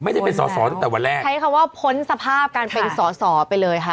ใช้คำว่าพ้นสภาพกันเป็นสอสอไปเลยค่ะ